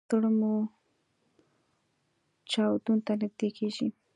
زړه مو چاودون ته نږدې کیږي